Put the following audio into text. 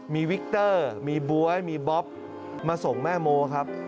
มีวิกเตอร์มีบ๊วยมีบ๊อบมาส่งแม่โมครับ